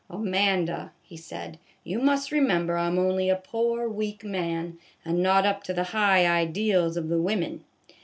" Amanda," he said, " you must remember, I 'm only a poor weak man, not up to the high ideals of the wimmen.